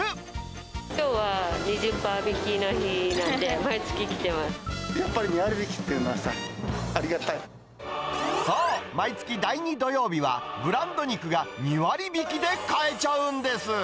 きょうは２０パー引きの日なやっぱり２割引きってのはさ、そう、毎月第２土曜日はブランド肉が２割引きで買えちゃうんです。